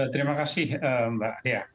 terima kasih mbak dea